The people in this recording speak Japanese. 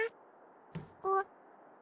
あっ。